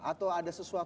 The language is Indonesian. ada kejutan nggak pak